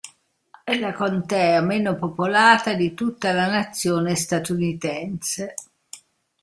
È la contea meno popolata di tutta la nazione statunitense.